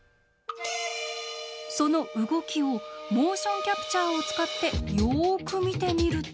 その動きをモーションキャプチャーを使ってよく見てみると。